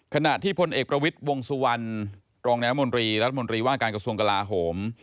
ขณะที่พลเอกประวิทย์วงศุวรรณรัฐมนตรีว่าการกระทรวงกลาห่อม